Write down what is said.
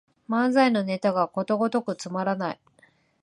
漫才のネタがことごとくつまらない